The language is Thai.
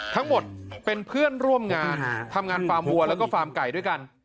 ทั้งหมดเป็นเพื่อนร่วมงานทำงานฟาร์มวัวแล้วก็ฟาร์มไก่ด้วยกัน